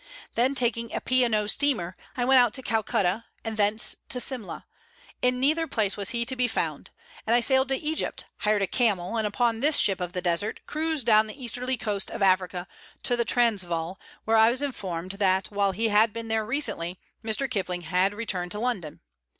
Then taking a P. & O. steamer, I went out to Calcutta, and thence to Simla. In neither place was he to be found, and I sailed to Egypt, hired a camel, and upon this ship of the desert cruised down the easterly coast of Africa to the Transvaal, where I was informed that, while he had been there recently, Mr. Kipling had returned to London.